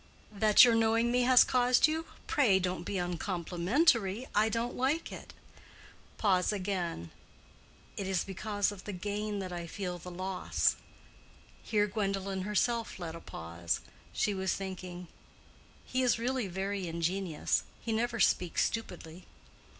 "That your knowing me has caused you? Pray don't be uncomplimentary; I don't like it." Pause again. "It is because of the gain that I feel the loss." Here Gwendolen herself left a pause. She was thinking, "He is really very ingenious. He never speaks stupidly."